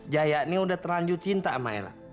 jaya ini udah terlanjur cinta sama ella